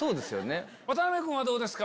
渡君はどうですか？